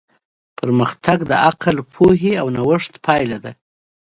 پرمختګ د عقل، پوهې او نوښت پایله ده.